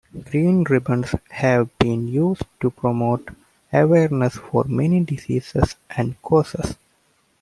Green ribbons have been used to promote awareness for many diseases and causes.